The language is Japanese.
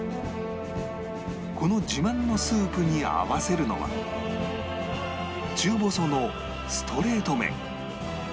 この自慢のスープに合わせるのは中細のストレート麺